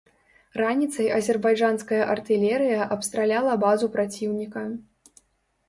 Раніцай азербайджанская артылерыя абстраляла базу праціўніка.